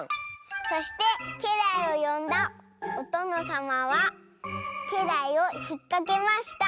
「そしてけらいをよんだおとのさまはけらいをひっかけました。